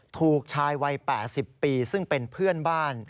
ถูกชายวัย๘๐ปีซึ่งเป็นเพื่อนบ้าน